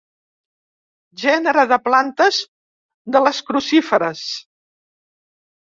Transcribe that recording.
Gènere de plantes de les crucíferes.